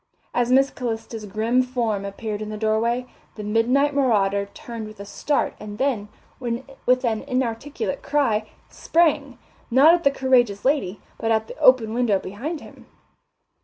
As Miss Calista's grim form appeared in the doorway, the midnight marauder turned with a start and then, with an inarticulate cry, sprang, not at the courageous lady, but at the open window behind him.